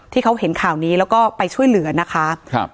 ที่เขาเห็นข่าวนี้แล้วก็ไปช่วยเหลือนะคะครับ